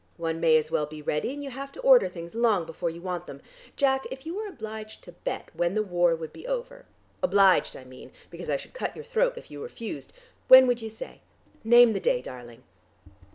One may as well be ready, and you have to order things long before you want them. Jack, if you were obliged to bet when the war would be over, obliged I mean, because I should cut your throat if you refused, when would you say? Name the day, darling!"